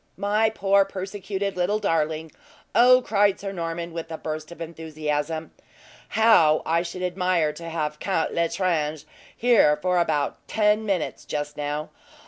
"My poor, persecuted little darling! Oh," cried Sir Norman, with a burst of enthusiasm, "how I should admire to have Count L'Estrange here for about ten minutes, just now!